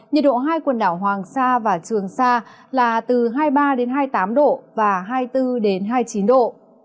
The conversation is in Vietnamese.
nhiệt độ hai quần đảo hoàng sa và trường sa là từ hai mươi ba đến hai mươi tám độ và hai mươi bốn hai mươi chín độ